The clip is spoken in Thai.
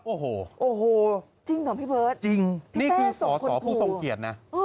โอ้โหจริงเหรอพี่เบิร์ตพี่เต้ส่งคนขู่จริงนี่คือสอสอผู้ทรงเกียรตินะ